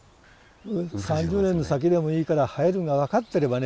３０年先でもいいから生えるんが分かっていればね